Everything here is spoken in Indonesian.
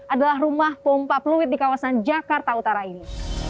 adalah rumah pompa fluid di kawasan jakarta utara ini